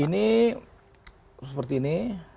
ini seperti ini